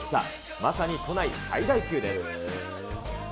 まさに都内最大級です。